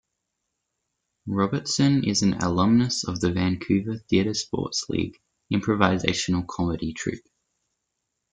Robertson is an alumnus of the Vancouver TheatreSports League improvisational comedy troupe.